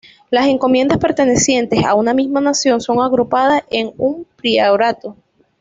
Las Encomiendas pertenecientes a una misma nación son agrupadas en un Priorato.